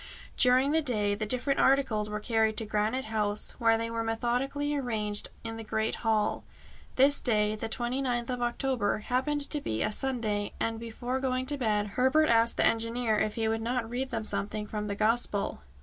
During the day the different articles were carried to Granite House, where they were methodically arranged in the great hall. This day the 29th of October happened to be a Sunday, and, before going to bed, Herbert asked the engineer if he would not read them something from the Gospel.